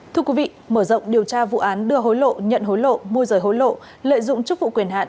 thưa quý vị mở rộng điều tra vụ án đưa hối lộ nhận hối lộ môi rời hối lộ lợi dụng chức vụ quyền hạn